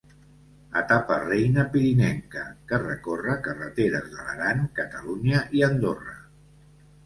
Etapa reina pirinenca, que recorre carreteres de l'Aran, Catalunya i Andorra.